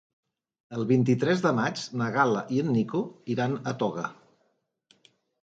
El vint-i-tres de maig na Gal·la i en Nico iran a Toga.